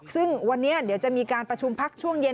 ซึ่งวันนี้เดี๋ยวจะมีการประชุมพักช่วงเย็น